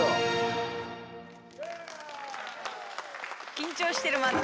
緊張してるまだ。